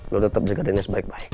lo tetap jaga dennis baik baik